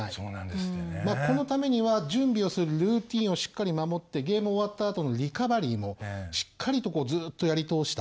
このためには準備をするルーティンをしっかり守ってゲーム終わったあとのリカバリーもしっかりとずっとやり通した。